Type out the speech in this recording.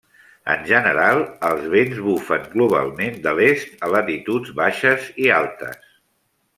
En general, els vents bufen globalment de l'est a latituds baixes i altes.